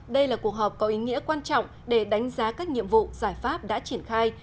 đây là cuộc họp có ý nghĩa quan trọng để đánh giá các nhiệm vụ giải pháp đã triển khai